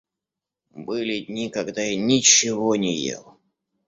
Были дни, когда я ничего не ел.